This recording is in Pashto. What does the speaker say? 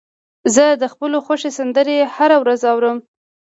زه د خپلو خوښې سندرې هره ورځ اورم.